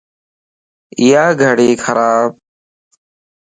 ايا گڙي خرابَ